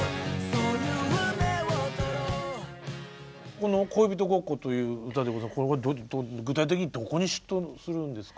この「恋人ごっこ」という歌は具体的にどこに嫉妬するんですか？